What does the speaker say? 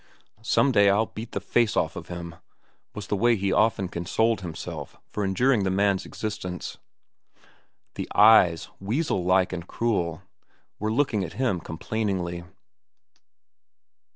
"Some day I'll beat the face off of him," was the way he often consoled himself for enduring the man's existence. The eyes, weasel like and cruel, were looking at him complainingly.